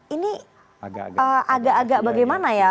ini agak agak bagaimana ya